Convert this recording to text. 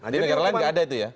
di negara lain nggak ada itu ya